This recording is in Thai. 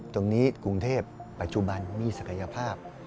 ตรงนี้กรุงเทพฯปัจจุบันมีศักยภาพ